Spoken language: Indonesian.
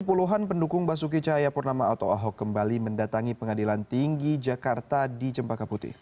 puluhan pendukung basuki cahaya purnama atau ahok kembali mendatangi pengadilan tinggi jakarta di jembatan kaputi